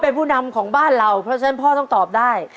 เป็นผู้นำของบ้านเราเพราะฉะนั้นพ่อต้องตอบได้